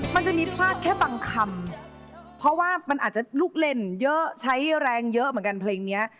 มันจะมีพลาดแค่บางคำเพราะว่ามันอาจจะลูกเล่นเยอะใช้แรงเยอะเหมือนกันเพลงนี้